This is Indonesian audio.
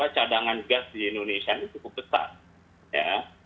cadangan gas di indonesia ini cukup besar ya